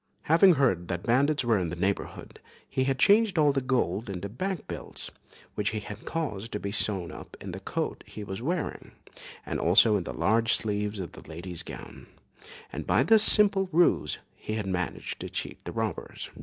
Having heard that bandits were in the neighbourhood, he had changed all the gold into bank bills, which he had caused to be sewn up in the coat he was wearing, and also in the large sleeves of his lady's gown, and by this simple ruse he had managed to cheat the robbers.